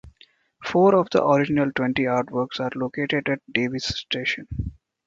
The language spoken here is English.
Four of the original twenty artworks are located at Davis station.